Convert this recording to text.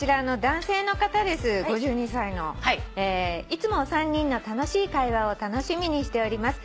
「いつもお三人の楽しい会話を楽しみにしております」